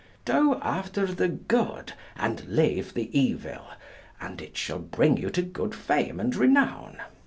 Do after the good and leave the evil, and it shall bring you to good fame and renown.